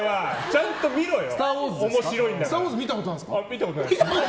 ちゃんと見ろよ。